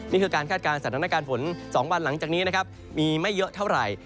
นี่คือการคาดการณ์สถานการณ์ฝน๒วันหลังจากนี้นะครับมีไม่เยอะเท่าไหร่